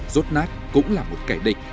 dốt nát cũng là một kẻ địch